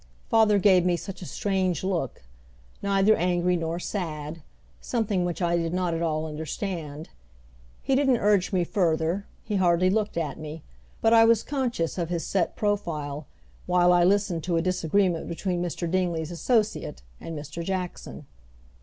Father gave me such a strange look, neither angry nor sad something which I did not at all understand. He didn't urge me further, he hardly looked at me, but I was conscious of his set profile while I listened to a disagreement between Mr. Dingley's associate and Mr. Jackson.